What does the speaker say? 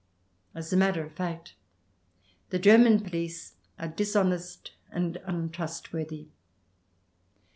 As a matter of fact, the German police are dishonest and untrustworthy.